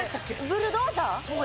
ブルドーザー？